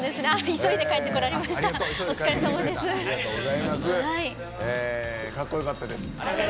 かっこよかったです。